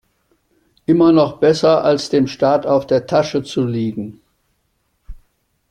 Immer noch besser, als dem Staat auf der Tasche zu liegen.